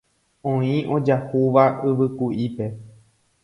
oĩ ojahúva yvyku'ípe